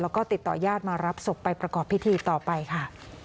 แล้วก็ติดต่อญาติมารับศพไปประกอบพิธีต่อไปค่ะ